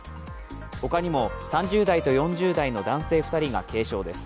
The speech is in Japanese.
他にも３０代と４０代の男性２人が軽傷です。